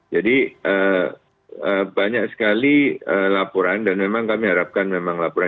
jadi banyak sekali laporan dan memang kami harapkan memang laporan